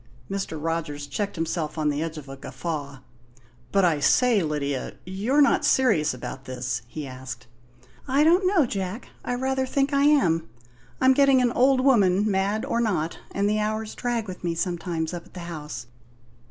Mr. Rogers checked himself on the edge of a guffaw. "But, I say, Lydia, you're not serious about this?" he asked. "I don't know, Jack. I rather think I am. I'm getting an old woman, mad or not; and the hours drag with me sometimes up at the house.